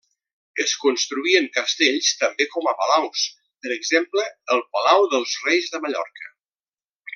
Es construïen castells també com a palaus, per exemple el Palau dels Reis de Mallorca.